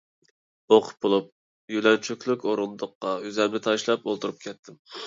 ئوقۇپ بولۇپ يۆلەنچۈكلۈك ئورۇندۇققا ئۆزۈمنى تاشلاپ ئولتۇرۇپ كەتتىم.